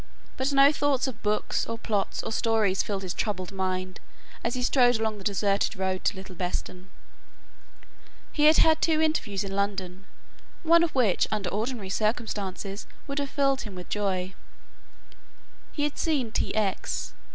But no thought of books, or plots, or stories filled his troubled mind as he strode along the deserted road to Little Beston. He had had two interviews in London, one of which under ordinary circumstances would have filled him with joy: He had seen T. X.